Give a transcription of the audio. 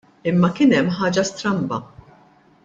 Imma kien hemm ħaġa stramba.